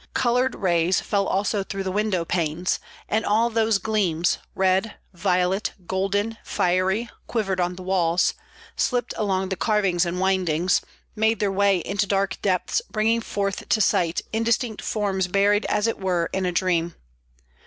Colored rays fell also through the window panes; and all those gleams, red, violet, golden, fiery, quivered on the walls, slipped along the carvings and windings, made their way into dark depths bringing forth to sight indistinct forms buried as it were in a dream.